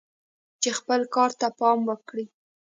چې خپل کار ته دوام ورکړي."